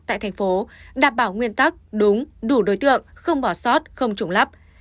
tại thành phố đảm bảo nguyên tắc đúng đủ đối tượng không bỏ sót không trùng lắp